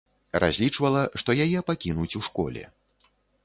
Разлічвала, што яе пакінуць у школе.